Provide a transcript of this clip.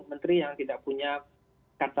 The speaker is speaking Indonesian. menteri yang tidak punya kata